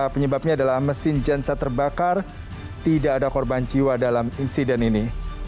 penyebabnya adalah mesin jenset terbakar tidak ada korban jiwa dalam insiden ini